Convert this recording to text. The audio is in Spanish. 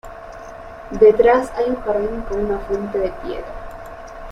Detrás hay un jardín con una fuente de piedra.